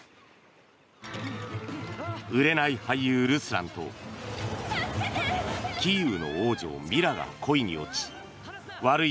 売れない俳優ルスランとキーウの王女、ミラが恋に落ち悪い